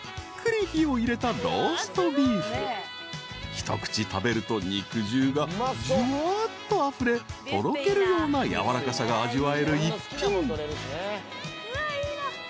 ［一口食べると肉汁がじゅわっとあふれとろけるようなやわらかさが味わえる一品］